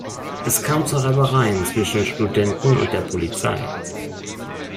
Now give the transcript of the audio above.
Es kam zu Reibereien zwischen Studenten und der Polizei.